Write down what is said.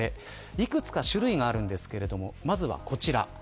いくつか種類があるんですがまずはこちら。